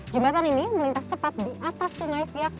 jembatan ini melintas tepat di atas sungai siak